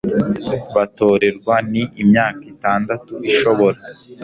batorerwa ni imyaka itandatu ishobora